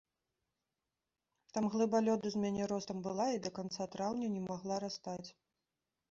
Там глыба лёду з мяне ростам была і да канца траўня не магла растаць.